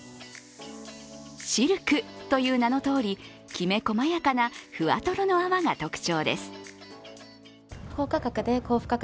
シルクという名のとおりきめこまやかなふわとろの泡が特徴です。